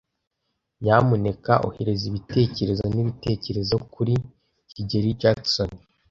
Nyamuneka ohereza ibitekerezo n'ibitekerezo kuri kigeli Jackson.